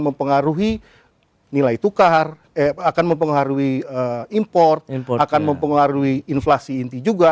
mempengaruhi nilai tukar akan mempengaruhi import akan mempengaruhi inflasi inti juga